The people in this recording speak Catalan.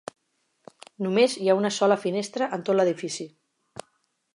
Només hi ha una sola finestra en tot l'edifici.